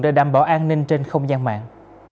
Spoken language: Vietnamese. để đảm bảo an ninh trên không gian mạng